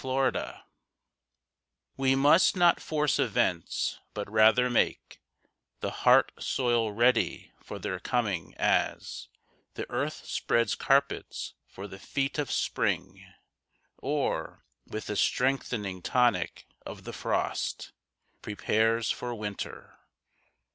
PREPARATION We must not force events, but rather make The heart soil ready for their coming, as The earth spreads carpets for the feet of Spring, Or, with the strengthening tonic of the frost, Prepares for winter.